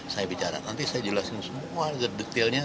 saya bicara nanti saya jelasin semua detailnya